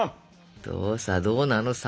どうさどうなのさ。